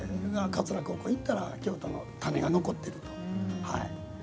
桂高校行ったら京都の種が残っていると。